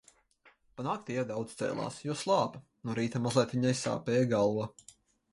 Pa nakti Ieva daudz cēlās, jo slāpa. No rīta mazliet viņai sāpēja galva.